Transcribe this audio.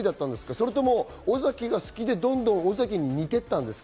それとも尾崎が好きで、どんどん尾崎に似ていったんですか？